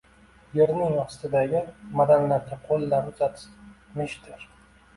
Yerning ostindagi madanlarga qoʻllar uzatmishdir